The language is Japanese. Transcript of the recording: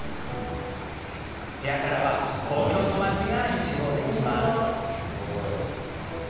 部屋からは東京の街が一望できます。